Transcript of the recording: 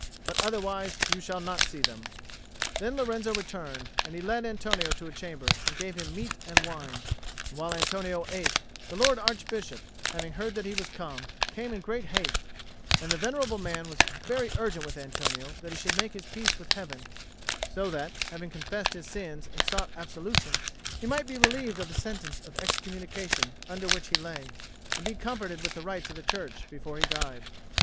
"But otherwise you shall not see them." Then Lorenzo returned, and he led Antonio to a chamber and gave him meat and wine; and while Antonio ate, the Lord Archbishop, having heard that he was come, came in great haste; and the venerable man was very urgent with Antonio that he should make his peace with Heaven, so that, having confessed his sins and sought absolution, he might be relieved of the sentence of excommunication under which he lay, and be comforted with the rites of the Church before he died.